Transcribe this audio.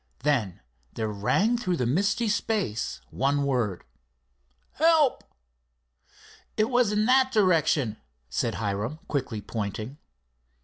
Then there rang through the misty space one word: "Help!" "It was in that direction," said Hiram quickly, pointing.